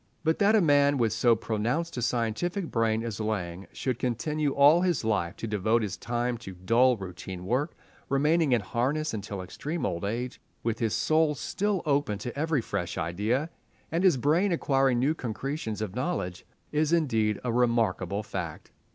But that a man with so pronounced a scientific brain as Laing should continue all his life to devote his time to dull routine work, remaining in harness until extreme old age, with his soul still open to every fresh idea and his brain acquiring new concretions of knowledge, is indeed a remarkable fact.